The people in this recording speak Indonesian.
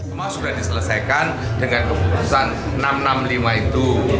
semua sudah diselesaikan dengan keputusan enam ratus enam puluh lima itu